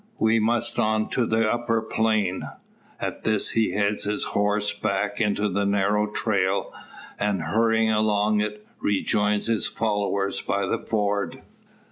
We must on to the upper plain." At this he heads his horse back into the narrow trail; and, hurrying along it, rejoins his followers by the ford.